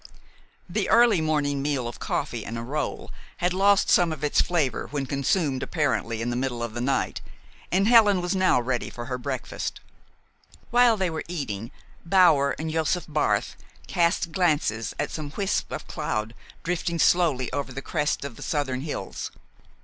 The early morning meal of coffee and a roll had lost some of its flavor when consumed apparently in the middle of the night, and Helen was ready now for her breakfast. While they were eating, Bower and Josef Barth cast glances at some wisps of cloud drifting slowly over the crests of the southern hills.